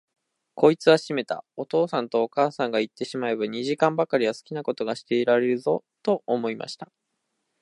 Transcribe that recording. こいつはしめた、お父さんとお母さんがいってしまえば、二時間ばかりは好きなことがしていられるぞ、と思いました。